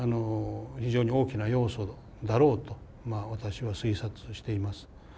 非常に大きな要素だろうと私は推察しています。